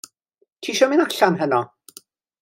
Tisio mynd allan heno?